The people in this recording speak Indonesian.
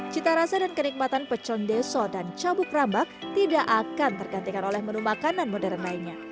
cita rasa dan kenikmatan pecel deso dan cabuk rambak tidak akan tergantikan oleh menu makanan modern lainnya